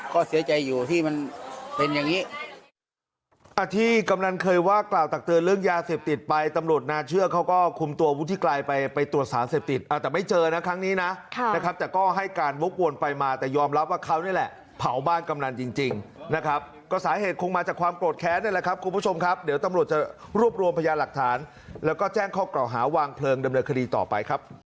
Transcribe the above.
ก็เสียใจอยู่ที่มันเป็นอย่างนี้